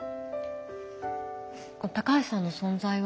高橋さんの存在は。